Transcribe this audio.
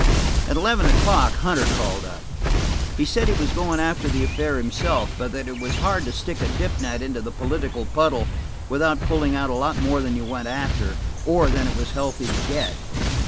At eleven o'clock Hunter called up; he said he was going after the affair himself, but that it was hard to stick a dip net into the political puddle without pulling out a lot more than you went after, or than it was healthy to get.